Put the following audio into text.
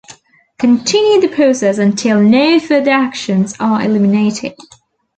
Continue the process until no further actions are eliminated.